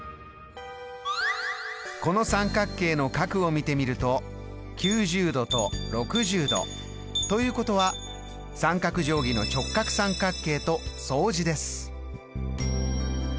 この三角形の角を見てみると９０度と６０度。ということは三角定規の直角三角形と相似です。